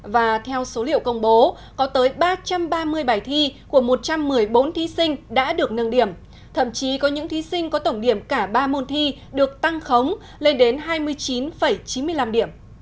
và theo số liệu công bố có tới ba trăm ba mươi bài thi của một trăm một mươi bốn thí sinh đã được nâng điểm thậm chí có những thí sinh có tổng điểm cả ba môn thi được tăng khống lên đến hai mươi chín chín mươi năm điểm